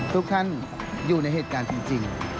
ทุกท่านอยู่ในเหตุการณ์จริง